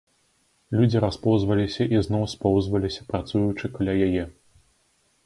Людзі распоўзваліся і зноў споўзваліся, працуючы каля яе.